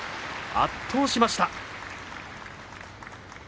圧倒しました。